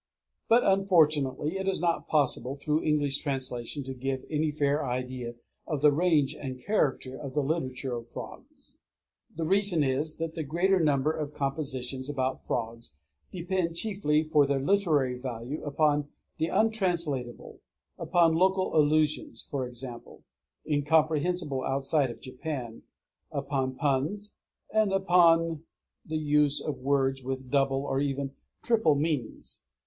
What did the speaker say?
But unfortunately it is not possible through English translation to give any fair idea of the range and character of the literature of frogs. The reason is that the greater number of compositions about frogs depend chiefly for their literary value upon the untranslatable, upon local allusions, for example, incomprehensible outside of Japan; upon puns; and upon the use of words with double or even triple meanings.